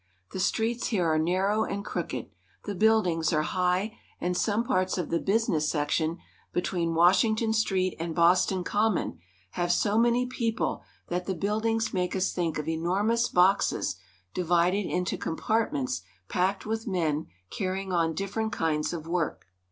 The streets here are narrow and crooked ; the buildings are high ; and some parts of the business section between Washington Street and Boston Common have so many people that the buildings make us think of enormous boxes divided into compartments packed with men carrying on different kinds of work.